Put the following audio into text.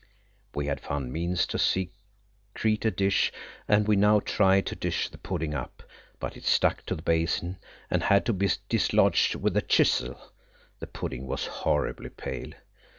We had found means to secrete a dish, and we now tried to dish the pudding up, but it stuck to the basin, and had to be dislodged with the chisel. The pudding was horribly pale.